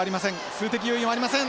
数的余裕もありません！